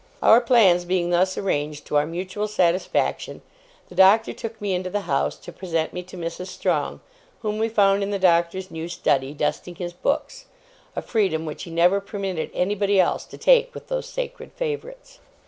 Our plans being thus arranged to our mutual satisfaction, the Doctor took me into the house to present me to Mrs. Strong, whom we found in the Doctor's new study, dusting his books, a freedom which he never permitted anybody else to take with those sacred favourites.